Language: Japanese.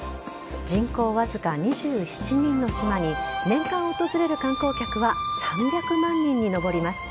人口わずか２７人の島に年間訪れる観光客は３００万人に上ります。